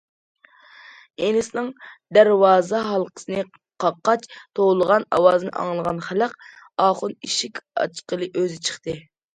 ئىنىسىنىڭ دەرۋازا ھالقىسىنى قاققاچ توۋلىغان ئاۋازىنى ئاڭلىغان خالىق ئاخۇن ئىشىك ئاچقىلى ئۆزى چىقتى.